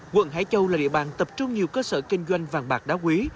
quận hải châu là địa bàn tập trung nhiều cơ sở kinh doanh vàng bạc đá quý